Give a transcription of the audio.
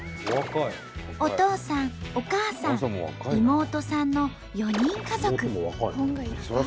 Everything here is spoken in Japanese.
お父さんお母さん妹さんの４人家族。